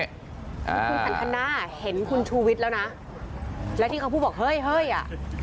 คุณสันทนาเห็นคุณชูวิทย์แล้วนะแล้วที่เขาพูดบอกเฮ้ยเฮ้ยอ่ะ